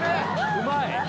うまい！